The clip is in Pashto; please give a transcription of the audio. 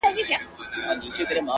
د زړه روح د زړه ارزښته قدم اخله-